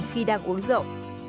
khi đang uống rượu